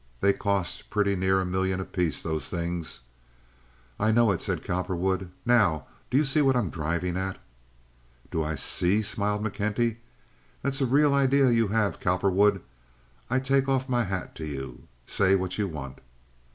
They cost pretty near a million apiece, those things." "I know it," said Cowperwood. "Now, do you see what I'm driving at?" "Do I see!" smiled McKenty. "That's a real idea you have, Cowperwood. I take off my hat to you. Say what you want."